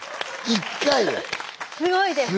すごいです！